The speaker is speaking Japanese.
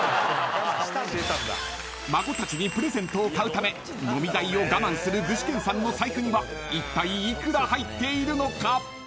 ［孫たちにプレゼントを買うため飲み代を我慢する具志堅さんの財布にはいったい幾ら入っているのか？］